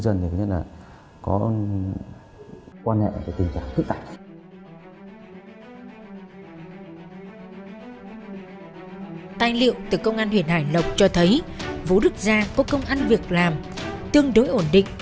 tài liệu từ công an huyện hải lộc cho thấy vũ đức giang có công ăn việc làm tương đối ổn định